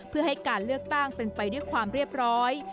เพื่อให้การเลือกตั้งเป็นไปด้วยความเรียบร้อย